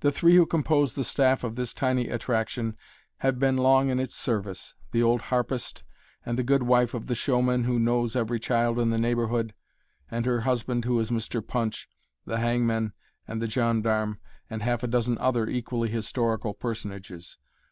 The three who compose the staff of this tiny attraction have been long in its service the old harpist, and the good wife of the showman who knows every child in the neighborhood, and her husband who is Mr. Punch, the hangman, and the gendarme, and half a dozen other equally historical personages.